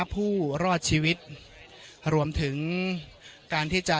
ผู้รอดชีวิตรวมถึงการที่จะ